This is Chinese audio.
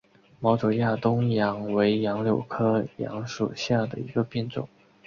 毛轴亚东杨为杨柳科杨属下的一个变种。